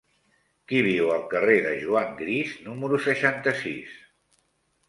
Qui viu al carrer de Juan Gris número seixanta-sis?